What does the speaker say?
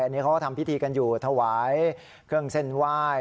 อันนี้เขาก็ทำพิธีกันอยู่ถวายเครื่องเส้นไหว้